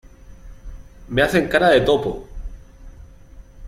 me hacen cara de topo.